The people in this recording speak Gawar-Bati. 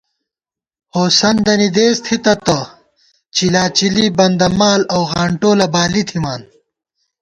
ہوسَندَنی دېس تھِتہ تہ، چِلاچِلی بندَمال اؤ غانٹولہ بالی تھِمان